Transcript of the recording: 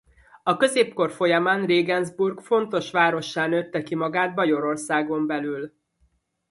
A középkor folyamán Regensburg fontos várossá nőtte ki magát Bajorországon belül.